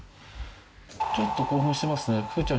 ちょっと興奮してますね風ちゃん